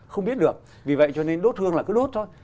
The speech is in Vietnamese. không biết được vì vậy cho nên đốt hương là cứ đốt thôi